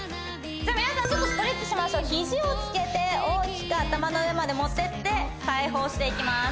皆さんちょっとストレッチしましょうヒジをつけて大きく頭の上まで持ってって解放していきます